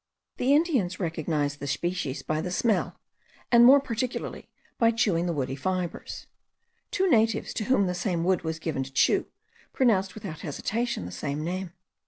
The Indians recognize the species by the smell, and more particularly by chewing the woody fibres. Two natives, to whom the same wood was given to chew, pronounced without hesitation the same name.